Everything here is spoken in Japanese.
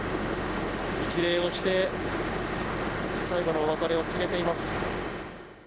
一礼をして最後のお別れを告げています。